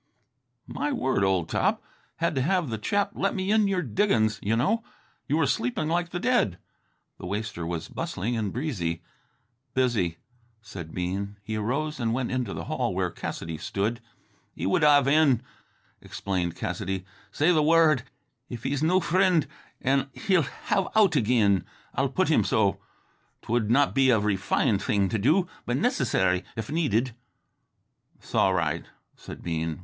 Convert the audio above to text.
"My word, old top, had to have the chap let me into your diggin's you know. You were sleeping like the dead." The waster was bustling and breezy. "Busy," said Bean. He arose and went into the hall where Cassidy stood. "He would have in," explained Cassidy. "Say th' wor r d if he's no frind, an' he'll have out agin. I'll put him so. 'T would not be a refined thing to do, but nicissary if needed." "'S all right," said Bean.